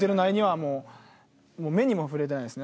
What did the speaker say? もう目にも触れてないですね。